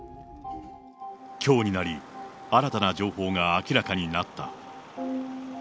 きょうになり、新たな情報が明らかになった。